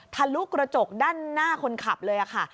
ทะลุกระจกด้านหน้าคนขับเลยค่ะ